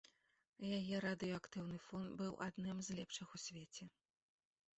Яе радыеактыўны фон быў адным з лепшых у свеце.